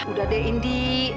udah deh indi